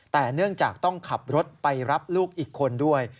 แต่เนื่องจากต้องขับรถไปรับลูกอีกคนด้วย